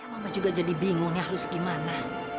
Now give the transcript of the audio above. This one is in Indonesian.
mama juga jadi bingung ya harus gimana